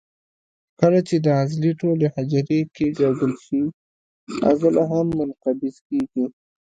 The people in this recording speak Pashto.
کله چې د عضلې ټولې حجرې کیکاږل شي عضله هم منقبض کېږي.